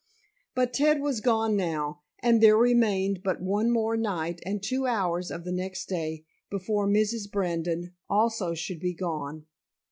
But Ted was gone now, and there remained but one more night and two hours of the next day before Mrs. Brandon also should be gone.